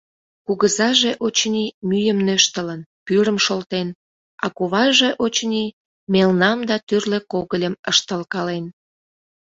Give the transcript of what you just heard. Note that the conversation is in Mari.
Кугызаже, очыни, мӱйым нӧштылын, пӱрым шолтен, а куваже, очыни, мелнам да тӱрлӧ когыльым ыштылкален.